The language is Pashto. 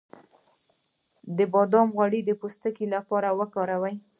د بادام غوړي د پوستکي لپاره وکاروئ